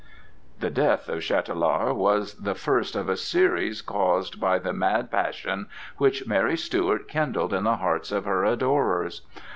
The death of Chatelard was the first of a series caused by the mad passion which Mary Stuart kindled in the hearts of her adorers.